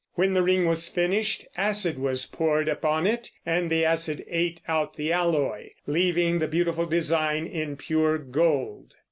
When the ring was finished, acid was poured upon it; and the acid ate out the alloy, leaving the beautiful design in pure gold.